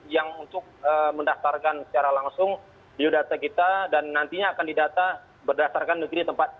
yang untuk mendaftarkan secara langsung biodata kita dan nantinya akan didata berdasarkan negeri tempat